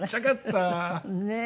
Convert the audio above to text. ねえ。